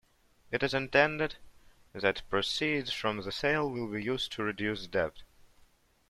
It is intended that proceeds from the sale will be used to reduce debt.